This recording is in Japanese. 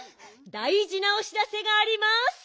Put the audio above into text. だいじなおしらせがあります。